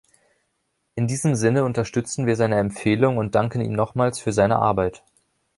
In diesem Sinne unterstützen wir seine Empfehlung und danken ihm nochmals für seine Arbeit!